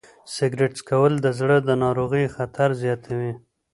سګریټ څکول د زړه د ناروغیو خطر زیاتوي.